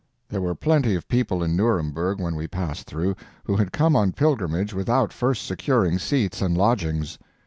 There were plenty of people in Nuremberg when we passed through who had come on pilgrimage without first securing seats and lodgings.